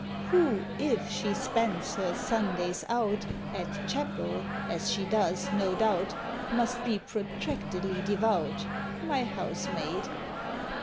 Who, if she spends her "Sundays out" At Chapel, as she does, no doubt, Must be protractedly devout? My Housemaid.